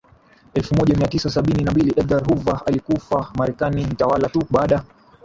elfu moja mia tisa sabini na mbili Edgar Hoover alikufa Marekani mtawala Tu baada